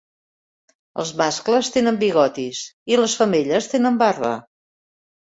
Els mascles tenen bigotis i les femelles tenen barba.